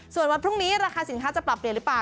ส่วนวันพรุ่งนี้ราคาสินค้าจะปรับเปลี่ยนหรือเปล่า